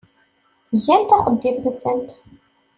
Gant axeddim-nsent.